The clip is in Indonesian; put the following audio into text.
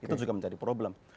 itu juga menjadi problem